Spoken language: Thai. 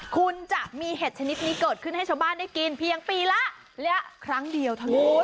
คุณจะมีเห็ดชนิดนี้เกิดขึ้นให้ชาวบ้านได้กินเพียงปีละและครั้งเดียวเท่านั้น